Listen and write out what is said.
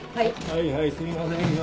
はいはいすいませんよ。